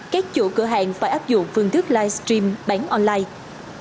các chủ cửa hàng phải áp dụng phương thức live stream bán online